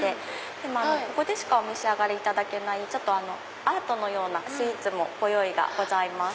でもここでしか召し上がれないアートのようなスイーツもご用意がございます。